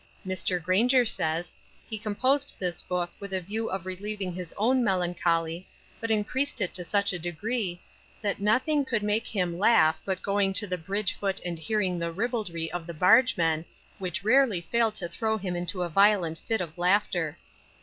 Mr. Granger says, He composed this book with a view of relieving his own melancholy, but increased it to such a degree, that nothing could make him laugh, but going to the bridge foot and hearing the ribaldry of the bargemen, which rarely failed to throw him into a violent fit of laughter.